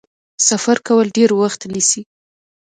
سفر کول ډیر وخت نیسي.